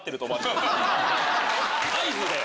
合図で。